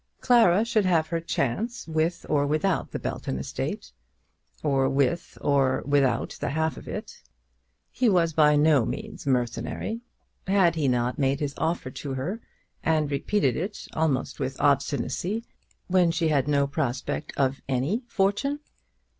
Clara should have her chance with or without the Belton estate, or with or without the half of it. He was by no means mercenary. Had he not made his offer to her, and repeated it almost with obstinacy, when she had no prospect of any fortune?